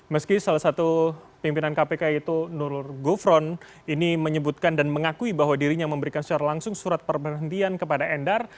meski salah satu pimpinan kpk yaitu nurul gufron ini menyebutkan dan mengakui bahwa dirinya memberikan secara langsung surat perhentian kepada endar